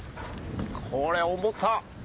これ重たっ。